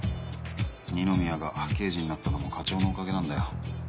二宮が刑事になったのも課長のおかげなんだよ。